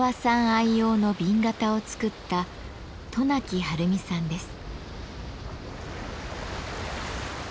愛用の紅型を作った渡名喜はるみさんです。